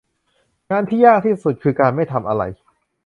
งานที่ยากที่สุดคือการไม่ทำอะไร